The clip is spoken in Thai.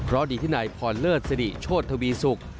ร้อดีที่นายพรเลิศสดิโชธบีศุกร์